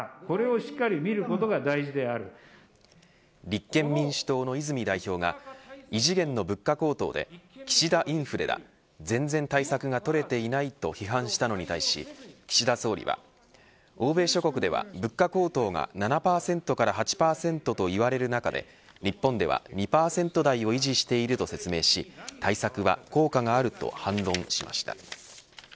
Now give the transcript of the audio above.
立憲民主党の泉代表が異次元の物価高騰で岸田インフレだ全然対策が取れていないと批判したのに対し、岸田総理は欧米諸国では物価高騰が７％から８％といわれる中で日本では２％台を維持していると説明し対策は効果があると反論しました。